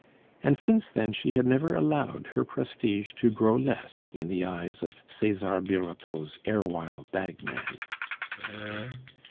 And since then she had never allowed her prestige to grow less in the eyes of Cesar Birotteau's erewhile bagman.